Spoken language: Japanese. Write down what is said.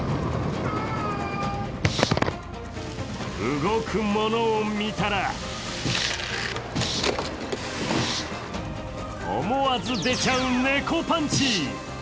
動くものを見たら思わず出ちゃう猫パンチ。